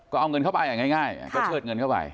ก็เอาเงินเข้าไปง่ายก็เชิดเงินเข้าไป